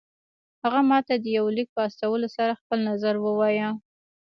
هغه ماته د يوه ليک په استولو سره خپل نظر ووايه.